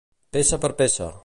Peça per peça.